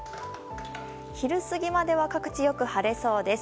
昼過ぎまでは各地、よく晴れそうです。